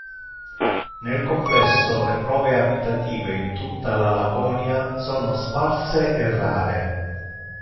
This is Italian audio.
Nel complesso le prove abitative in tutta la Laconia sono sparse e rare.